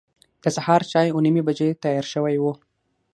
د سهار چای اوه نیمې بجې تیار شوی و.